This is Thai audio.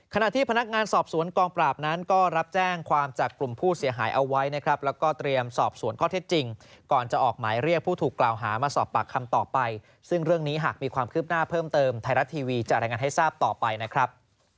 ขณะที่พนักงานสอบสวนกองปราบนั้นก็รับแจ้งความจากกลุ่มผู้เสียหายเอาไว้นะครับแล้วก็เตรียมสอบสวนข้อเท็จจริงก่อนจะออกหมายเรียกผู้ถูกกล่าวหามาสอบปากคำต่อไปซึ่งเรื่องนี้หากมีความคืบหน้าเพิ่มเติมไทยรัฐทีวีจะรายงานให้ทราบต่อไปนะครับ